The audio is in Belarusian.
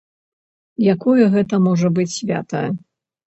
Якое гэта можа быць свята?